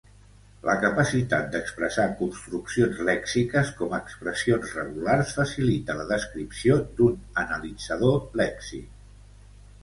La capacitat d'expressar construccions lèxiques com expressions regulars facilita la descripció d'un analitzador lèxic.